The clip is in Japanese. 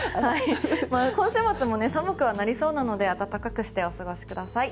今週末も寒くはなりそうなので暖かくしてお過ごしください。